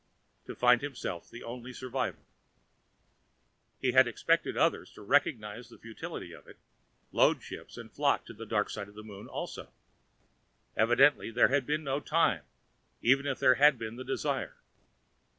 To find himself the only survivor.... He had expected others to recognize the futility of it, load ships and flock to the dark side of the Moon also. Evidently there had been no time, even if there had been the desire.